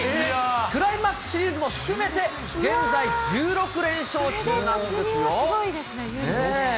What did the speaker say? クライマックスシリーズも含めて現在、１６連勝中なんですよ。